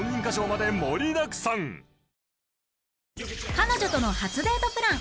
彼女との初デートプラン！